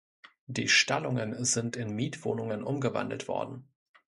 Die Stallungen sind in Mietwohnungen umgewandelt worden.